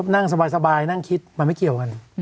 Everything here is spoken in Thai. นั่งสบายนั่งคิดมันไม่เกี่ยวกัน